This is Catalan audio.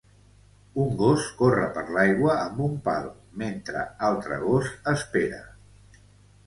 Un gos corre per l"aigua amb un pal mentre altre gos espera.